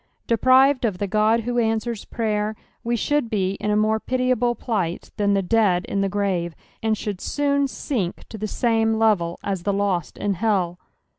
Deprived of the God who answers praver, we should be in a more pitiable plight than the dead in the grave, and should soon sink to the same level u tbe lost in hell.